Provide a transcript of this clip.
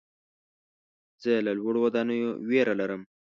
زه له لوړو ودانیو ویره لرم.